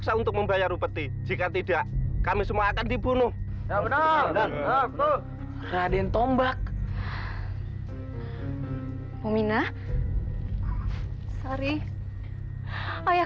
sampai jumpa di video selanjutnya